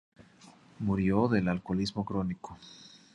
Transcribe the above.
Murió de alcoholismo crónico.